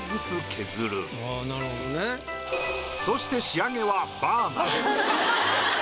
そして仕上げはバーナー。